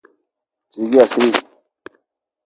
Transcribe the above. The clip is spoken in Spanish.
Otros apuntan a que proviene de la palabra "hielo".